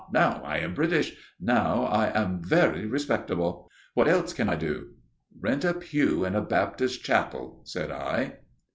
now I am British. Now I am very respectable!' What else can I do?" "Rent a pew in a Baptist chapel," said I.